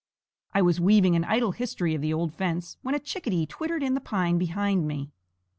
I was weaving an idle history of the old fence, when a chickadee twittered in the pine behind me.